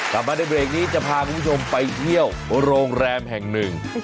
กลับมาในเบรกนี้จะพาคุณผู้ชมไปเที่ยวโรงแรมแห่งหนึ่ง